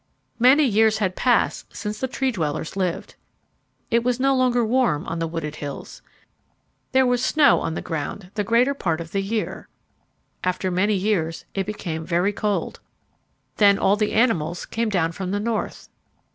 Many years had passed since the Tree dwellers lived. It was no longer warm on the wooded hills. There was snow on the ground the greater part of the year. After many years it became very cold. Then all the animals came down from the north.